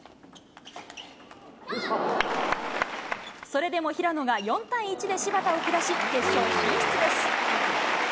それでも平野が４対１で芝田を下し、決勝進出です。